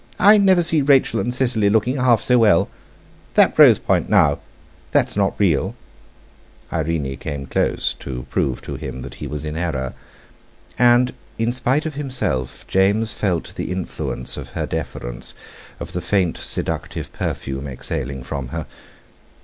"I never see Rachel and Cicely looking half so well. That rose point, now—that's not real!" Irene came close, to prove to him that he was in error. And, in spite of himself, James felt the influence of her deference, of the faint seductive perfume exhaling from her.